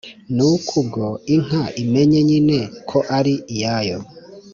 ni uko ni bwo inka imenye nyine ko ari iyayo,